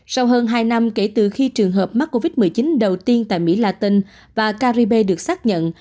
sau hơn hai năm kể từ khi trường hợp mắc covid một mươi chín đầu tiên tại mỹ latin và caribe được xác nhận